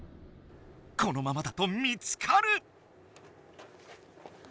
このままだと見つかる。